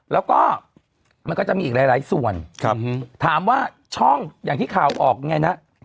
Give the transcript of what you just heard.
แล้วก็มันก็จะมีอีกหลายส่วนถามว่าช่องอย่างที่ข่าวออกไงนะ